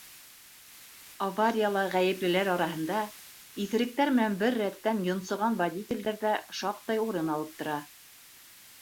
Аварияла ғәйеплеләр араһында иҫеректәр менән бер рәттән йонсоған водителдәр ҙә шаҡтай урын алып тора.